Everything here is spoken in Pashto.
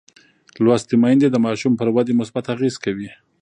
لوستې میندې د ماشوم پر ودې مثبت اغېز کوي.